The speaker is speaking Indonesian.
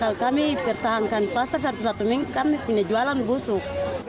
kalau kami pertahankan pasar satu satu minggu kami punya jualan busuk